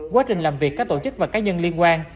quá trình làm việc các tổ chức và cá nhân liên quan